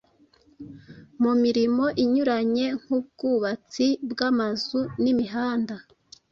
mu mirimo inyuranye nk’ubwubatsi bw’amazu n’imihanda